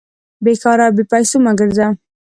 بې کاره او بې پېسو مه ګرځئ!